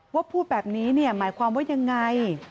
ว่าพูดแบบนี้เนี่ยหมายความว่ายังไง